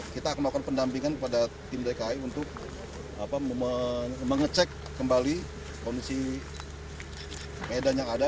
kita akan melakukan pendampingan kepada tim dki untuk mengecek kembali kondisi medan yang ada